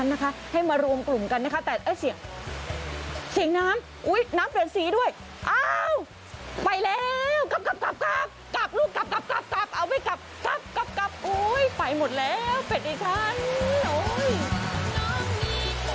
ระมัดระวังด้วยนะคะตอนนี้